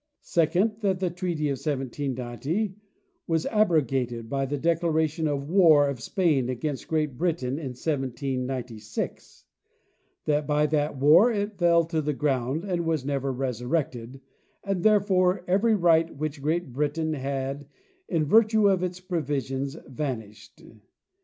Second, that the treaty of 1790 was abro gated by the declaration of war of Spain against Great Britain in 1796; that by that war it fell to the ground and was never resurrected, and therefore every right which Great Britain had in virtue of its provisions vanished.